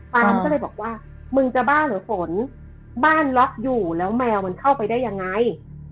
ตอนนั้นก็เลยบอกว่ามึงจะบ้าเหรอฝนบ้านล็อกอยู่แล้วแมวมันเข้าไปได้ยังไง